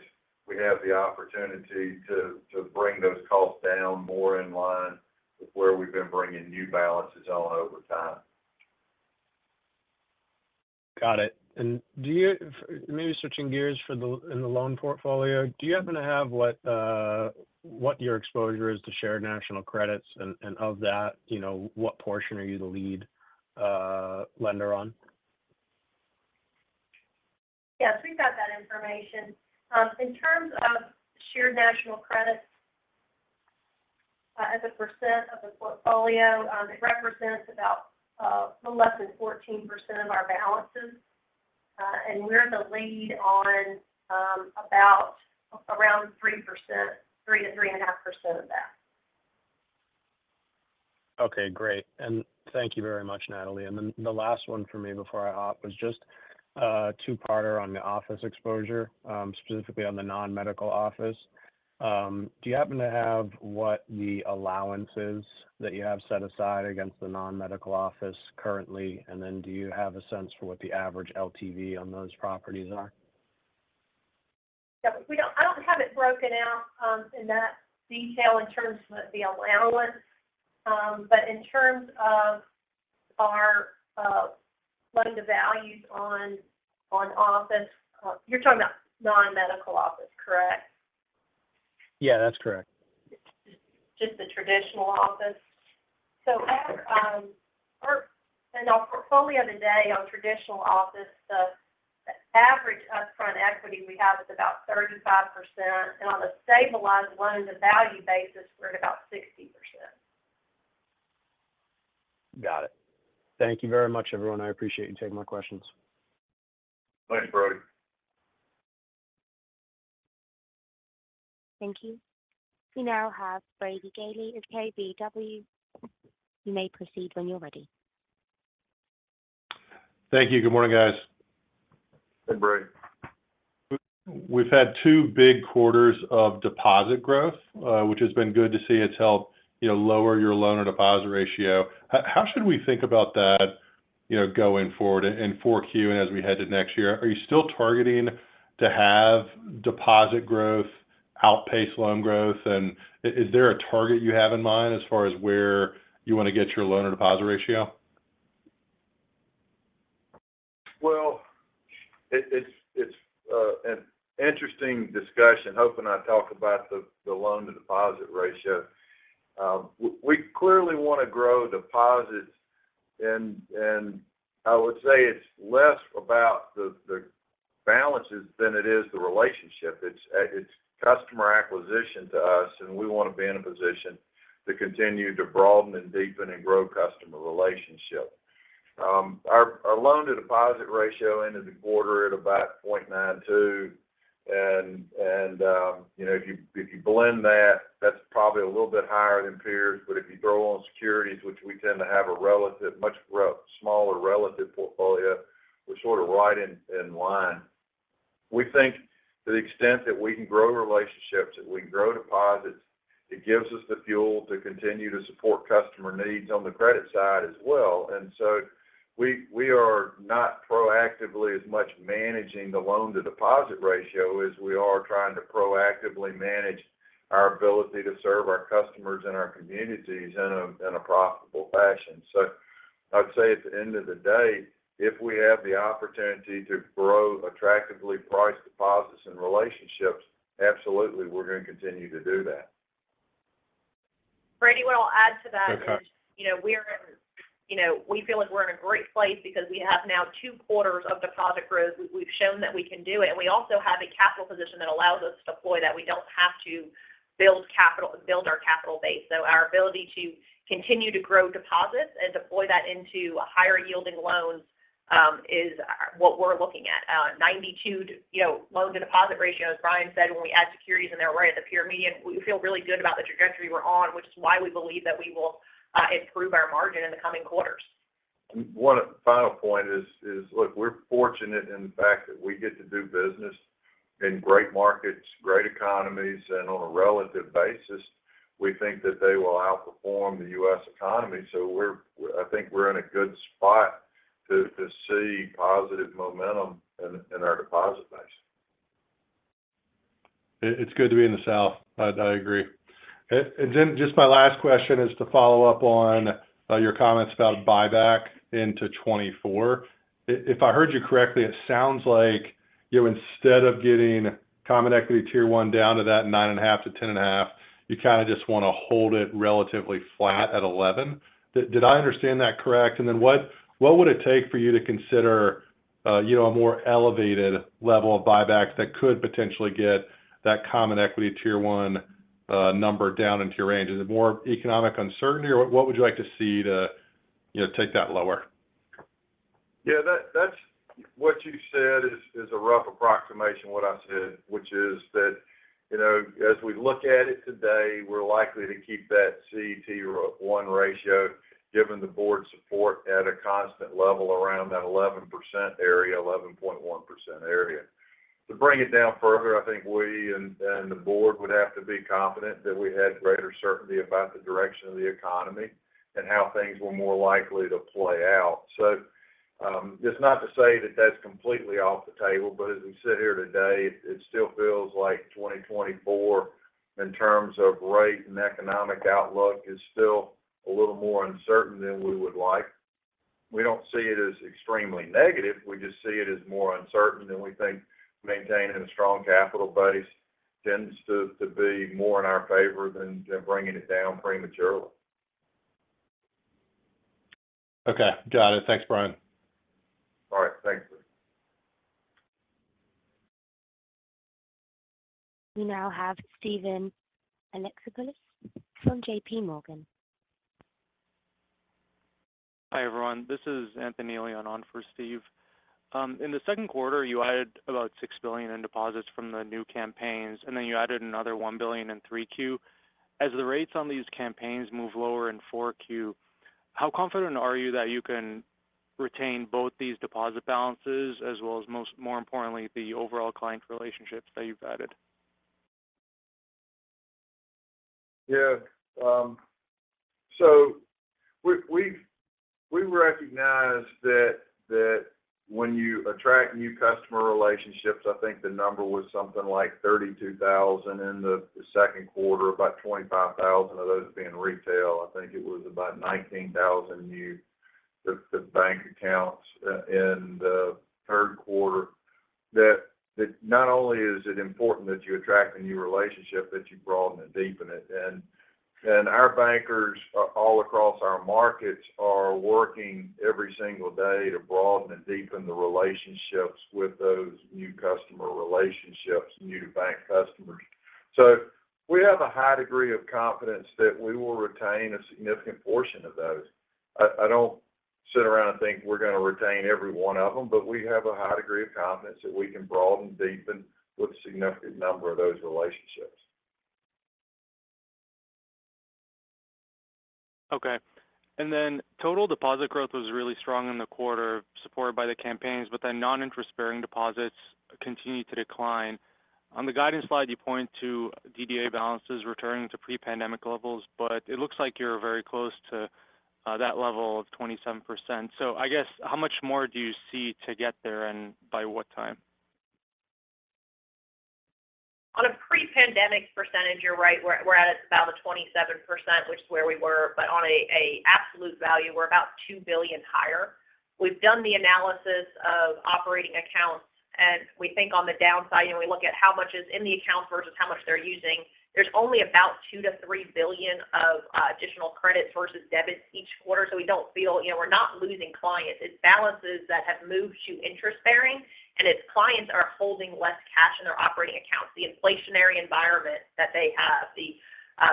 we have the opportunity to bring those costs down more in line with where we've been bringing new balances all over time. Got it. And do you maybe switching gears for the in the loan portfolio, do you happen to have what your exposure is to Shared National Credits? And of that, you know, what portion are you the lead lender on? Yes, we've got that information. In terms of Shared National Credits, as a percent of the portfolio, it represents about a little less than 14% of our balances. And we're the lead on about around 3%, 3%-3.5% of that. Okay, great. And thank you very much, Natalie. And then the last one for me before I hop was just a two-parter on the office exposure, specifically on the non-medical office. Do you happen to have what the allowances that you have set aside against the non-medical office currently? And then do you have a sense for what the average LTV on those properties are? Yeah, I don't have it broken out in that detail in terms of the allowance. But in terms of our loan to values on office, you're talking about non-medical office, correct? Yeah, that's correct. Just the traditional office. So, in our portfolio today on traditional office, the average upfront equity we have is about 35%, and on the stabilized loan-to-value basis, we're at about 60%. Got it. Thank you very much, everyone. I appreciate you taking my questions. Thanks, Brody. Thank you. We now have Brady Gailey of KBW. You may proceed when you're ready. Thank you. Good morning, guys. Hey, Brady. We've had two big quarters of deposit growth, which has been good to see. It's helped, you know, lower your loan-to-deposit ratio. How should we think about that, you know, going forward in 4Q and as we head to next year? Are you still targeting to have deposit growth outpace loan growth, and is there a target you have in mind as far as where you want to get your loan-to-deposit ratio? Well, it's an interesting discussion. Hope and I talked about the loan to deposit ratio. We clearly want to grow deposits, and I would say it's less about the balances than it is the relationship. It's customer acquisition to us, and we want to be in a position to continue to broaden and deepen and grow customer relationship. Our loan-to-deposit ratio ended the quarter at about 0.92. And you know, if you blend that, that's probably a little bit higher than peers, but if you throw on securities, which we tend to have a relatively much smaller relative portfolio, we're sort of right in line. We think to the extent that we can grow relationships, that we can grow deposits, it gives us the fuel to continue to support customer needs on the credit side as well. We are not proactively as much managing the loan-to-deposit ratio as we are trying to proactively manage our ability to serve our customers and our communities in a profitable fashion. So I'd say at the end of the day, if we have the opportunity to grow attractively priced deposits and relationships, absolutely, we're going to continue to do that. Brady, what I'll add to that- Okay. You know, we're in, you know, we feel like we're in a great place because we have now two quarters of deposit growth. We've shown that we can do it, and we also have a capital position that allows us to deploy, that we don't have to build capital—build our capital base. So our ability to continue to grow deposits and deploy that into higher-yielding loans is what we're looking at. Ninety-two, you know, loan-to-deposit ratio, as Bryan said, when we add securities in there, right at the peer median. We feel really good about the trajectory we're on, which is why we believe that we will improve our margin in the coming quarters. One final point is, look, we're fortunate in the fact that we get to do business in great markets, great economies, and on a relative basis, we think that they will outperform the U.S. economy. So, I think we're in a good spot to see positive momentum in our deposit base. It's good to be in the South. I agree. And then just my last question is to follow up on your comments about buyback in 2024. If I heard you correctly, it sounds like, you know, instead of getting Common Equity Tier 1 down to that 9.5-10.5, you kind of just want to hold it relatively flat at 11. Did I understand that correct? And then what would it take for you to consider, you know, a more elevated level of buyback that could potentially get that Common Equity Tier 1 number down into your range? Is it more economic uncertainty, or what would you like to see to, you know, take that lower? Yeah, that's what you said is a rough approximation of what I said, which is that, you know, as we look at it today, we're likely to keep that CET1 ratio, given the board's support at a constant level around that 11% area, 11.1% area. To bring it down further, I think we and the board would have to be confident that we had greater certainty about the direction of the economy and how things were more likely to play out. So, just not to say that that's completely off the table, but as we sit here today, it still feels like 2024, in terms of rate and economic outlook, is still a little more uncertain than we would like. We don't see it as extremely negative. We just see it as more uncertain, and we think maintaining a strong capital base tends to be more in our favor than bringing it down prematurely. Okay, got it. Thanks, Bryan. All right, thanks. We now have Steven Alexopoulos from J.P. Morgan. Hi, everyone. This is Anthony Elian on for Steve. In the second quarter, you added about $6 billion in deposits from the new campaigns, and then you added another $1 billion in 3Q. As the rates on these campaigns move lower in 4Q, how confident are you that you can retain both these deposit balances as well as most, more importantly, the overall client relationships that you've added? Yeah, so we recognize that when you attract new customer relationships, I think the number was something like 32,000 in the second quarter, about 25,000 of those being retail. I think it was about 19,000 new bank accounts in the third quarter. That not only is it important that you attract a new relationship, but you broaden and deepen it. And our bankers all across our markets are working every single day to broaden and deepen the relationships with those new customer relationships, new bank customers. So we have a high degree of confidence that we will retain a significant portion of those. I don't sit around and think we're going to retain every one of them, but we have a high degree of confidence that we can broaden and deepen with a significant number of those relationships. Okay. And then total deposit growth was really strong in the quarter, supported by the campaigns, but then non-interest-bearing deposits continued to decline. On the guidance slide, you point to DDA balances returning to pre-pandemic levels, but it looks like you're very close to that level of 27%. So I guess, how much more do you see to get there, and by what time? On a pre-pandemic percentage, you're right, we're at about a 27%, which is where we were, but on an absolute value, we're about $2 billion higher. We've done the analysis of operating accounts, and we think on the downside, you know, we look at how much is in the account versus how much they're using. There's only about $2 billion-$3 billion of additional credits versus debits each quarter, so we don't feel... You know, we're not losing clients. It's balances that have moved to interest-bearing, and it's clients are holding less cash in their operating accounts. The inflationary environment that they have, the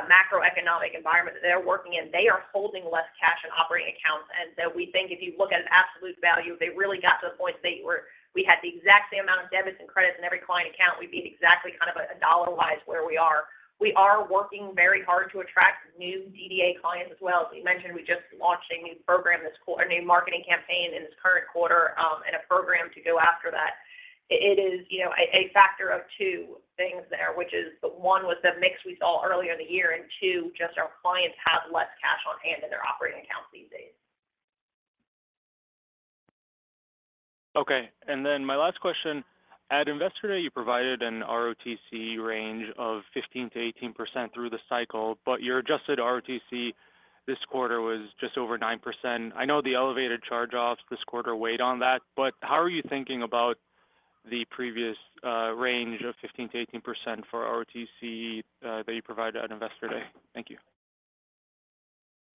macroeconomic environment that they're working in, they are holding less cash in operating accounts. So we think if you look at an absolute value, if they really got to the point state where we had the exact same amount of debits and credits in every client account, we'd be exactly kind of a dollar-wise where we are. We are working very hard to attract new DDA clients as well. As we mentioned, we just launched a new program this quarter, a new marketing campaign in this current quarter, and a program to go after that. It is, you know, a factor of two things there, which is one, was the mix we saw earlier in the year, and two, just our clients have less cash on hand in their operating accounts these days.... Okay, and then my last question: at Investor Day, you provided an ROTCE range of 15%-18% through the cycle, but your adjusted ROTCE this quarter was just over 9%. I know the elevated charge-offs this quarter weighed on that, but how are you thinking about the previous range of 15%-18% for ROTCE that you provided at Investor Day? Thank you.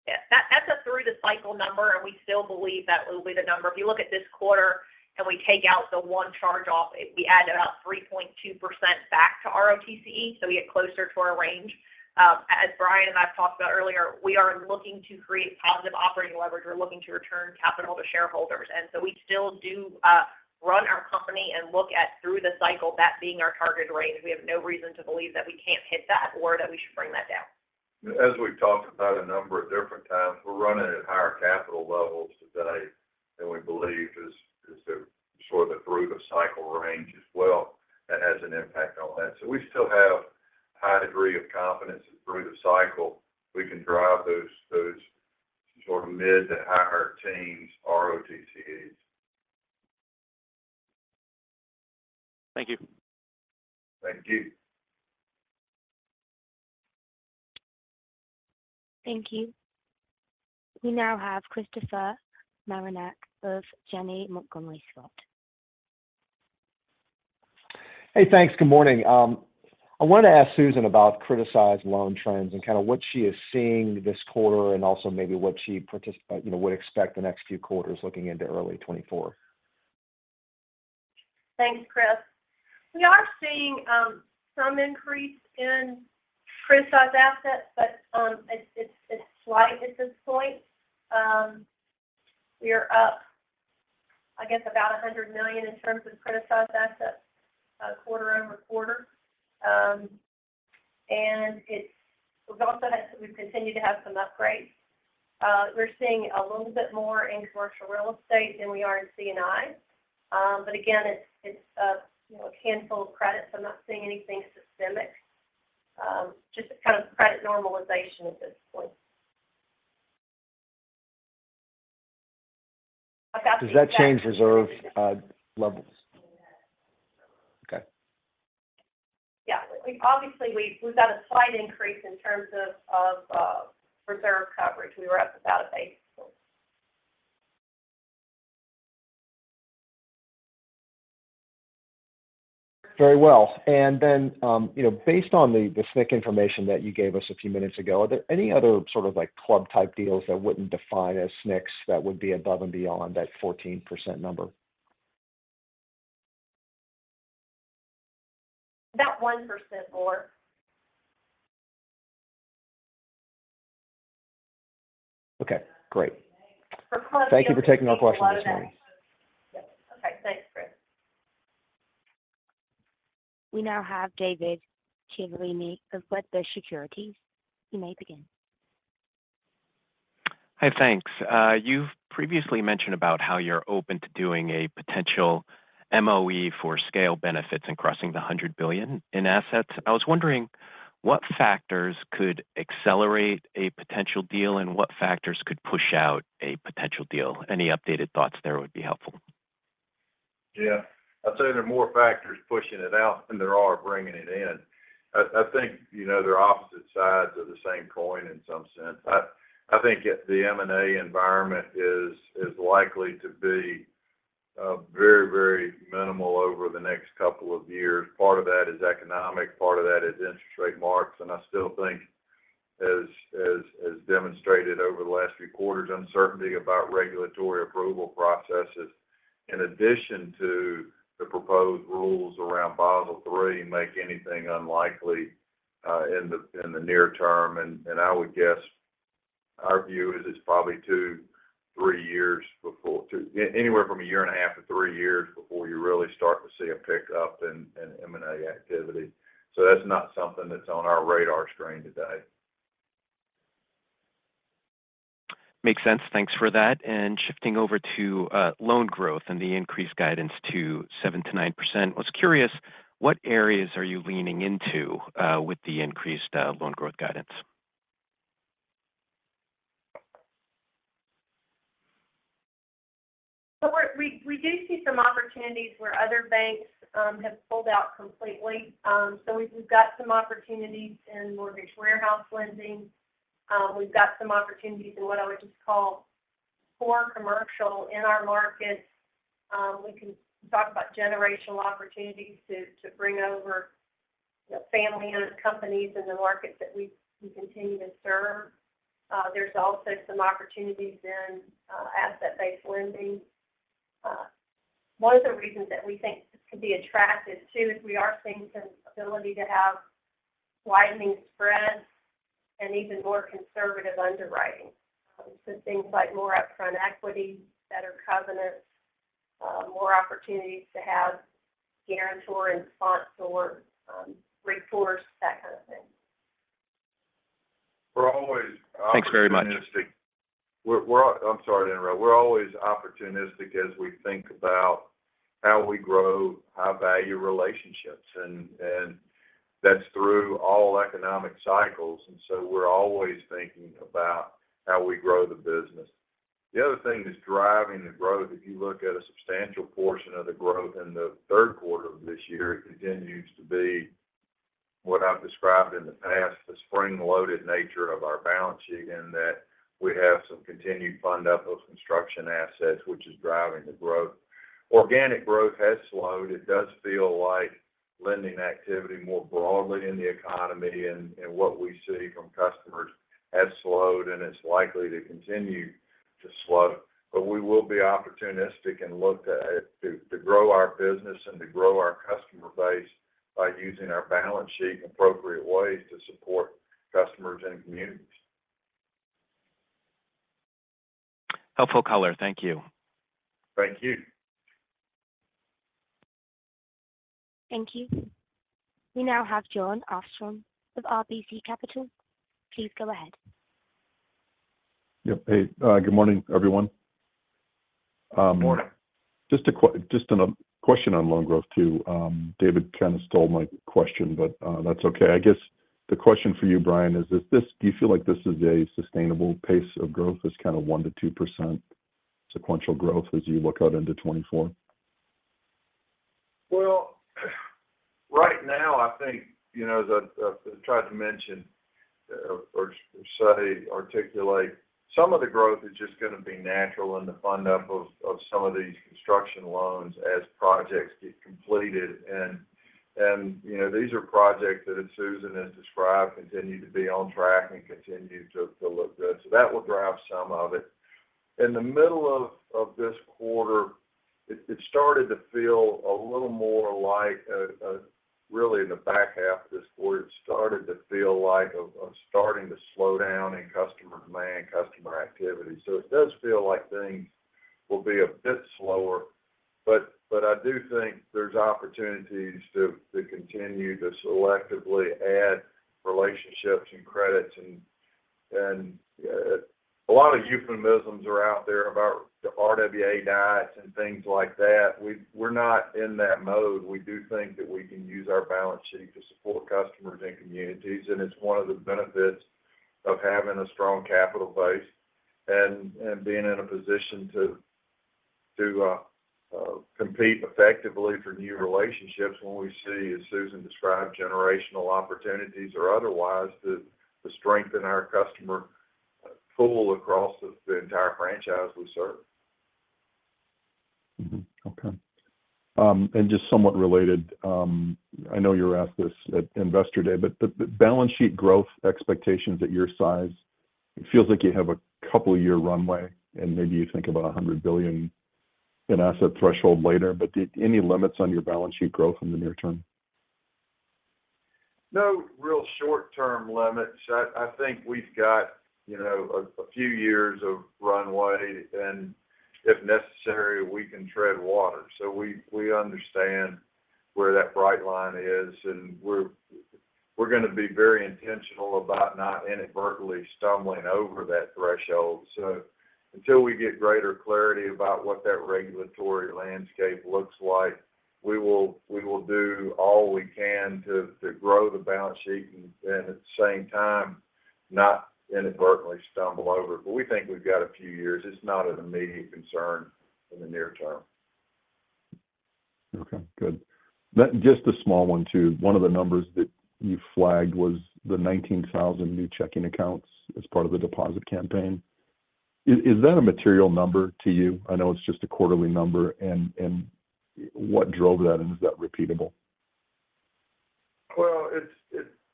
Yeah, that's a through-the-cycle number, and we still believe that will be the number. If you look at this quarter and we take out the one charge-off, it, we add about 3.2% back to ROTCE, so we get closer to our range. As Bryan and I've talked about earlier, we are looking to create positive operating leverage. We're looking to return capital to shareholders, and so we still do run our company and look at through-the-cycle, that being our target range. We have no reason to believe that we can't hit that or that we should bring that down. As we've talked about a number of different times, we're running at higher capital levels today than we believe is the sort of the through the cycle range as well. That has an impact on that. So we still have high degree of confidence that through the cycle, we can drive those sort of mid to higher teens ROTCEs. Thank you. Thank you. Thank you. We now have Christopher Marinac of Janney Montgomery Scott. Hey, thanks. Good morning. I want to ask Susan about criticized loan trends and kind of what she is seeing this quarter, and also maybe what she, you know, would expect the next few quarters looking into early 2024? Thanks, Chris. We are seeing some increase in criticized assets, but it's slight at this point. We are up, I guess, about $100 million in terms of criticized assets quarter-over-quarter. We've continued to have some upgrades. We're seeing a little bit more in commercial real estate than we are in C&I. But again, it's, you know, a handful of credits. I'm not seeing anything systemic, just a kind of credit normalization at this point. Does that change reserve levels? Okay. Yeah. We've obviously got a slight increase in terms of reserve coverage. We were up about a base. Very well. Then, you know, based on the SNC information that you gave us a few minutes ago, are there any other sort of, like, club-type deals that wouldn't define as SNCs that would be above and beyond that 14% number? About 1% more. Okay, great. For clubs- Thank you for taking our question this morning. Yep. Okay. Thanks, Chris. We now have David Chiaverini of Wedbush Securities. You may begin. Hi, thanks. You've previously mentioned about how you're open to doing a potential MOE for scale benefits and crossing the $100 billion in assets. I was wondering, what factors could accelerate a potential deal, and what factors could push out a potential deal? Any updated thoughts there would be helpful. Yeah. I'd say there are more factors pushing it out than there are bringing it in. I think, you know, they're opposite sides of the same coin in some sense. I think the M&A environment is likely to be very, very minimal over the next couple of years. Part of that is economic, part of that is interest rate marks, and I still think, as demonstrated over the last few quarters, uncertainty about regulatory approval processes, in addition to the proposed rules around Basel III, make anything unlikely in the near term. I would guess our view is it's probably 2-3 years before—anywhere from 1.5-3 years before you really start to see a pickup in M&A activity. So that's not something that's on our radar screen today. Makes sense. Thanks for that. Shifting over to loan growth and the increased guidance to 7%-9%. I was curious, what areas are you leaning into with the increased loan growth guidance? So we do see some opportunities where other banks have pulled out completely. So we've got some opportunities in mortgage warehouse lending. We've got some opportunities in what I would just call core commercial in our markets. We can talk about generational opportunities to bring over, you know, family-owned companies in the markets that we continue to serve. There's also some opportunities in asset-based lending. One of the reasons that we think this could be attractive, too, is we are seeing some ability to have widening spreads and even more conservative underwriting. So things like more upfront equity, better covenants, more opportunities to have guarantor and sponsor recourse, that kind of thing. We're always opportunistic- Thanks very much. We're... I'm sorry to interrupt. We're always opportunistic as we think about how we grow high-value relationships. That's through all economic cycles, and so we're always thinking about how we grow the business. The other thing that's driving the growth, if you look at a substantial portion of the growth in the third quarter of this year, it continues to be what I've described in the past, the spring-loaded nature of our balance sheet, in that we have some continued fund up of construction assets, which is driving the growth. Organic growth has slowed. It does feel like lending activity more broadly in the economy and what we see from customers has slowed, and it's likely to continue to slow. But we will be opportunistic and look to grow our business and to grow our customer base by using our balance sheet in appropriate ways to support customers and communities. Helpful color. Thank you. Thank you. Thank you. We now have Jon Arfstrom of RBC Capital. Please go ahead. Yep. Hey, good morning, everyone. Good morning. Just a question on loan growth, too. David kind of stole my question, but that's okay. I guess the question for you, Bryan, is, do you feel like this is a sustainable pace of growth, this kind of 1%-2% sequential growth as you look out into 2024? Well, right now, I think, you know, as I tried to mention or say, articulate, some of the growth is just going to be natural in the fund up of some of these construction loans as projects get completed. And, you know, these are projects that as Susan has described, continue to be on track and continue to look good. So that will drive some of it. In the middle of this quarter, it started to feel a little more like, really in the back half of this quarter, it started to feel like a starting to slow down in customer demand, customer activity. So it does feel like things will be a bit slower, but I do think there's opportunities to continue to selectively add relationships and credits. A lot of euphemisms are out there about the RWA diets and things like that. We're not in that mode. We do think that we can use our balance sheet to support customers and communities, and it's one of the benefits of having a strong capital base and being in a position to compete effectively for new relationships when we see, as Susan described, generational opportunities or otherwise, to strengthen our customer pool across the entire franchise we serve. Mm-hmm. Okay. And just somewhat related, I know you were asked this at Investor Day, but the balance sheet growth expectations at your size, it feels like you have a couple year runway, and maybe you think about a $100 billion asset threshold later, but any limits on your balance sheet growth in the near term? No real short-term limits. I think we've got, you know, a few years of runway, and if necessary, we can tread water. So we understand where that bright line is, and we're going to be very intentional about not inadvertently stumbling over that threshold. So until we get greater clarity about what that regulatory landscape looks like, we will do all we can to grow the balance sheet and at the same time, not inadvertently stumble over it. But we think we've got a few years. It's not an immediate concern in the near term. Okay, good. Then just a small one, too. One of the numbers that you flagged was the 19,000 new checking accounts as part of the deposit campaign. Is, is that a material number to you? I know it's just a quarterly number, and, and what drove that, and is that repeatable? Well, it's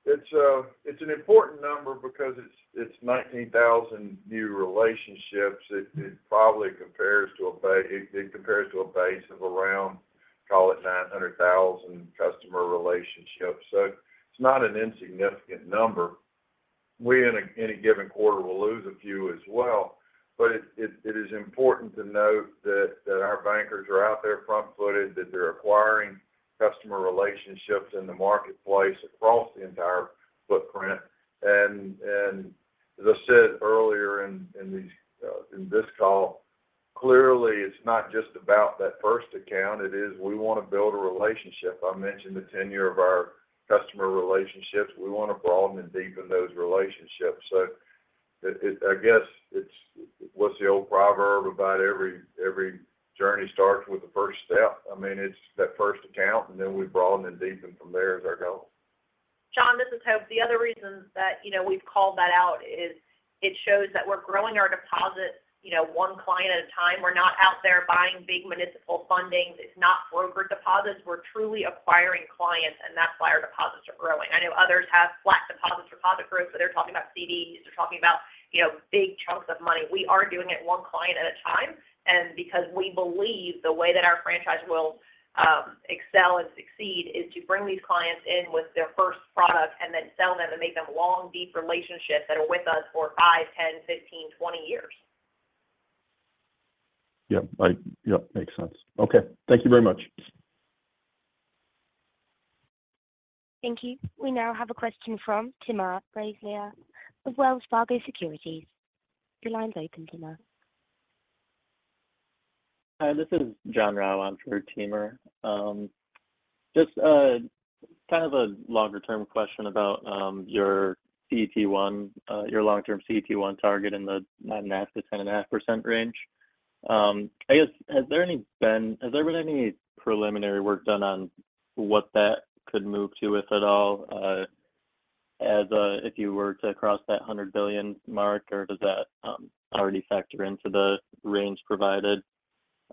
an important number because it's 19,000 new relationships. It probably compares to a base of around, call it 900,000 customer relationships. So it's not an insignificant number. We, in any given quarter, will lose a few as well. But it is important to note that our bankers are out there front-footed, that they're acquiring customer relationships in the marketplace across the entire footprint. And as I said earlier in these, in this call, clearly it's not just about that first account. It is. We want to build a relationship. I mentioned the tenure of our customer relationships. We want to broaden and deepen those relationships. So it... I guess it's, what's the old proverb about every journey starts with the first step? I mean, it's that first account, and then we broaden and deepen from there is our goal. John, this is Hope. The other reason that, you know, we've called that out is it shows that we're growing our deposits, you know, one client at a time. We're not out there buying big municipal fundings. It's not broker deposits. We're truly acquiring clients, and that's why our deposits are growing. I know others have flat deposits, deposit growth, but they're talking about CDs. They're talking about, you know, big chunks of money. We are doing it one client at a time, and because we believe the way that our franchise will excel and succeed is to bring these clients in with their first product and then sell them and make them long, deep relationships that are with us for 5, 10, 15, 20 years. Yep, yep, makes sense. Okay. Thank you very much. Thank you. We now have a question from Timur Braziler of Wells Fargo Securities. Your line's open, Timur.... Hi, this is Jared Shaw, on for Timur. Just a kind of a longer-term question about your CET1, your long-term CET1 target in the 9.5%-10.5% range. I guess, has there been any preliminary work done on what that could move to, if at all, as if you were to cross that 100 billion mark, or does that already factor into the range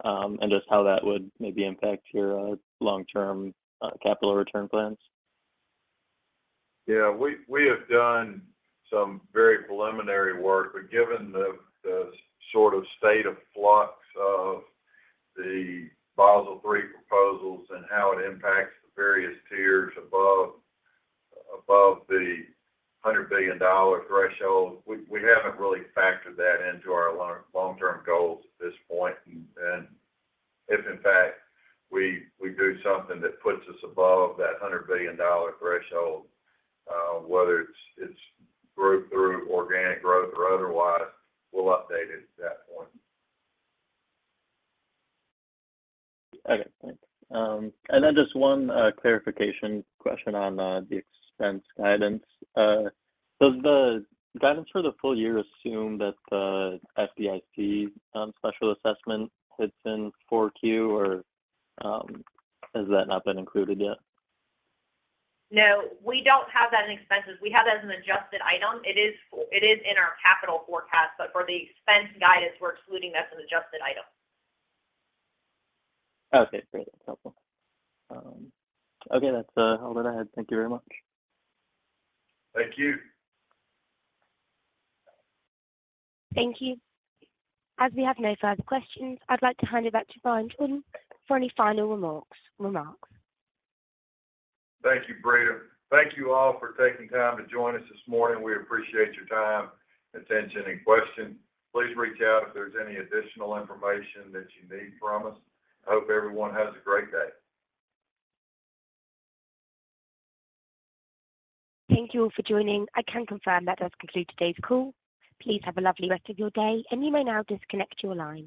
provided, and just how that would maybe impact your long-term capital return plans? Yeah, we have done some very preliminary work, but given the sort of state of flux of the Basel III proposals and how it impacts the various tiers above the $100 billion threshold, we haven't really factored that into our long-term goals at this point. And if, in fact, we do something that puts us above that $100 billion threshold, whether it's growth through organic growth or otherwise, we'll update it at that point. Okay, thanks. And then just one clarification question on the expense guidance. Does the guidance for the full year assume that the FDIC special assessment hits in 4Q, or has that not been included yet? No, we don't have that in expenses. We have that as an adjusted item. It is, it is in our capital forecast, but for the expense guidance, we're excluding that as an adjusted item. Okay, great. That's helpful. Okay, that's all that I had. Thank you very much. Thank you. Thank you. As we have no further questions, I'd like to hand it back to Bryan Jordan for any final remarks. Thank you, Britta. Thank you all for taking time to join us this morning. We appreciate your time, attention, and questions. Please reach out if there's any additional information that you need from us. I hope everyone has a great day. Thank you all for joining. I can confirm that does conclude today's call. Please have a lovely rest of your day, and you may now disconnect your lines.